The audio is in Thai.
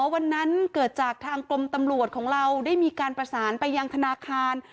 วันนั้นเกิดจากทางกรมตำรวจของเราได้มีการประสานไปยังธนาคาร